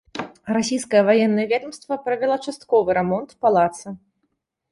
Расійскае ваеннае ведамства правяла частковы рамонт палаца.